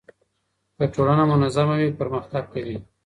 که ټولنه منظمه وي پرمختګ کوي.